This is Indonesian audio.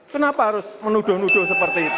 kenapa harus menuduh nuduh seperti itu